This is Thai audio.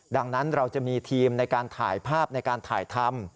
ดังนั้นเราจะมีทีมในการถ่ายภาพในการถ่ายทำ